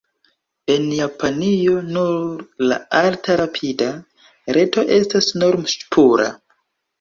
En Japanio nur la alt-rapida reto estas norm-ŝpura.